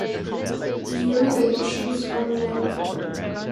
view the issues online